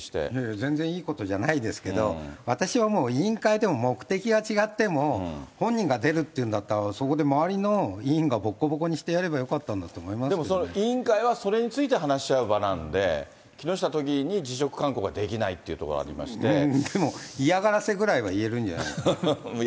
全然いいことじゃないですけど、私はもう委員会でも、目的が違っても、本人が出るって言うんだったら、そこで周りの委員がぼっこぼこにしてやればよかったんだと思いまでも、委員会は、それについて話し合う場なので、木下都議に辞職勧告はできないっていうとこでも、嫌がらせぐらいは言えるんじゃない。